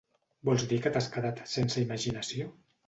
Vols dir que t'has quedat sense imaginació?